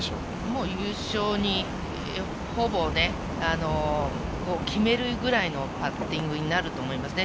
もう優勝に、ほぼ決めるくらいのパッティングになると思いますね。